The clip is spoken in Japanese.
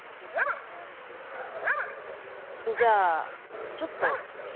んじゃちょっと。